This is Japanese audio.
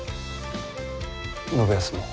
信康も。